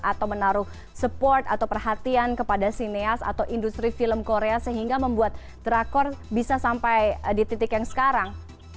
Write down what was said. atau menaruh support atau perhatian kepada sineas atau industri film korea sehingga membuat drakor bisa sampai di titik yang sekarang